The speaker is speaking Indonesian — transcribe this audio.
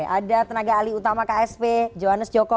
ada tenaga alih utama ksp johannes joko